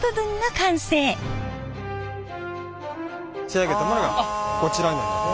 仕上げたものがこちらになります。